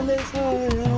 barisan nenek saya